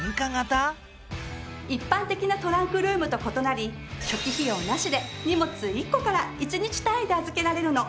一般的なトランクルームと異なり初期費用なしで荷物１個から１日単位で預けられるの。